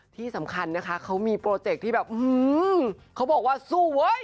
ที่สำคัญนะคะเขามีโปรเจคที่แบบเขาบอกว่าสู้เว้ย